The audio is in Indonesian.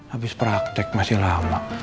abis praktek masih lama